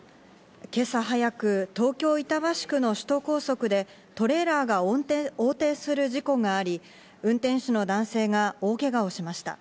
今朝早く、東京・板橋区の首都高速でトレーラーが横転する事故があり、運転手の男性が大けがをしました。